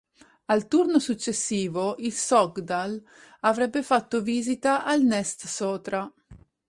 Al turno successivo, il Sogndal avrebbe fatto visita al Nest-Sotra.